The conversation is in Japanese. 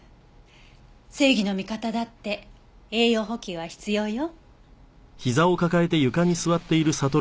正義の味方だって栄養補給は必要よ。